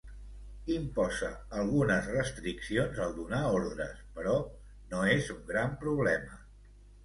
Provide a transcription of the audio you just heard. Imposa algunes restriccions al donar ordres, però no és un gran problema.